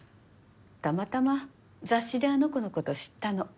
たまたま雑誌であの子のこと知ったの。